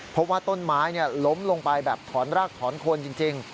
เพราะว่าต้นไม้ล้มลงไปแบบถอนรากถอนคนจริง